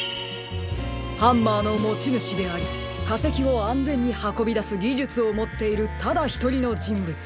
ハンマーのもちぬしでありかせきをあんぜんにはこびだすぎじゅつをもっているただひとりのじんぶつ。